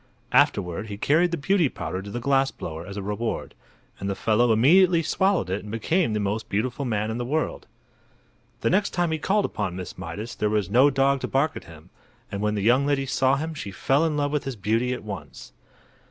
Afterward he carried the Beauty Powder to the glass blower as a reward, and the fellow immediately swallowed it and became the most beautiful man in the world. The next time he called upon Miss Mydas there was no dog to bark at him, and when the young lady saw him she fell in love with his beauty at once.